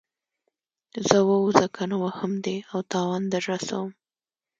ځه ووځه کنه وهم دې او تاوان در رسوم.